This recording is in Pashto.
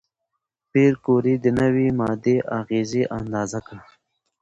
پېیر کوري د نوې ماده اغېزې اندازه کړه.